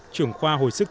trưởng khoa hồi sức tích